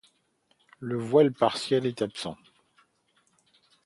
Le voile partiel est absent.